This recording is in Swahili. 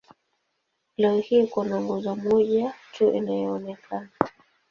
Leo hii kuna nguzo moja tu inayoonekana.